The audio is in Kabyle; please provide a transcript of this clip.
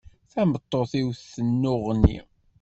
Tameṭṭut-iw tennuɣni.